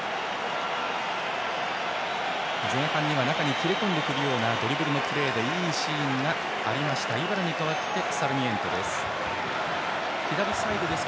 前半には中に切れ込んでくるようなドリブルのプレーでいいシーンがありましたイバラに代わってサルミエントです。